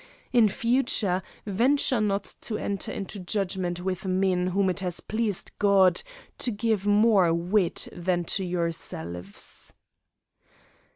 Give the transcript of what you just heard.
In future, venture not to enter into judgment with men whom it has pleased God to give more wit than to yourselves."